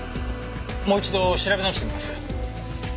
もう一度調べ直してみます。